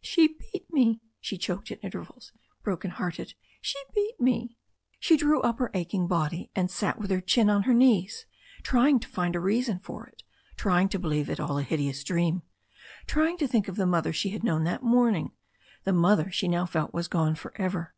"She beat me!" she choked at intervals, broken hearted. "She beat me." She drew up her aching body, and sat with her chin on her knees, trying to find a reason for it, trying to believe it all a hideous dream, trying to think of the mother she had known that morning, the mother she now felt was gone for ever.